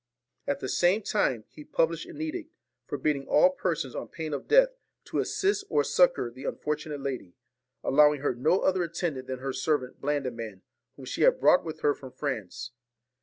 At the same time he published an edict, forbidding all persons, on pain of death, to assist or succour the unfortunate lady, allowing her no other attendant than her servant Blandiman, whom she had brought with her from France.